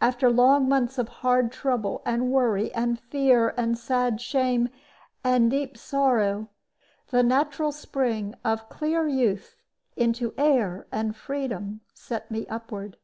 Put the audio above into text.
After long months of hard trouble, and worry, and fear, and sad shame, and deep sorrow, the natural spring of clear youth into air and freedom set me upward.